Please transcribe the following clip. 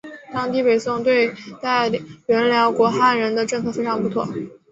当时北宋对待原辽国汉人的政策非常不妥。